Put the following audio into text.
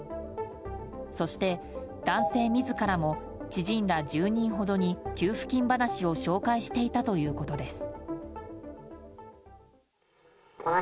そして、男性自らも知人ら１０人ほどに給付金話を紹介していたということです。